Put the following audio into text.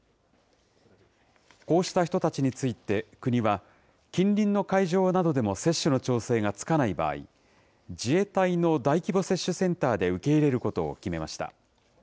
こうした人たちについて、国は、近隣の会場などでも接種の調整がつかない場合、自衛隊の大規模接種センターで受け入れることを決めました。